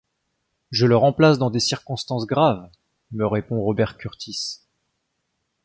Je le remplace dans des circonstances graves, me répond Robert Kurtis.